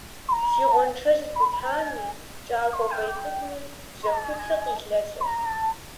Си гъуэншэдж дытами, кӀагуэ фӀей цӀыкӀуми бжьэхуцыр къилэлырт.